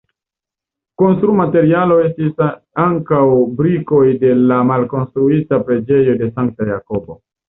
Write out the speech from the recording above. Konstrumaterialo estis ankaŭ brikoj de la malkonstruita Preĝejo de Sankta Jakobo.